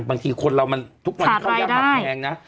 บางทีคนเรามันทุกวันนี้ข้าวยากมาแพงนะ